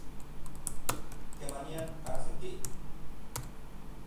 ¿Kemanian ajsiki?